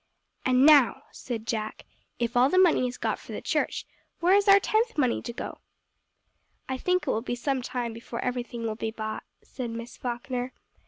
"And now," said Jack, "if all the money is got for the church, where is our tenth money to go to?" "I think it will be some time before everything will be bought," said Miss Falkner.